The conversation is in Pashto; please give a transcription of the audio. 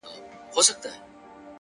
هله تياره ده په تلوار راته خبري کوه’